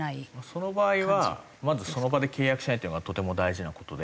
その場合はまずその場で契約しないっていうのがとても大事な事で。